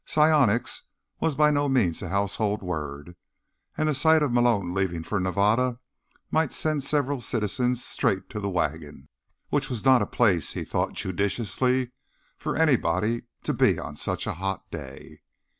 Psionics was by no means a household word, and the sight of Malone leaving for Nevada might send several citizens straight to the wagon. Which was not a place, he thought judiciously, for anybody to be on such a hot day.